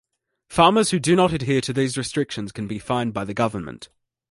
Farmers who do not adhere to these restrictions can be fined by the Government.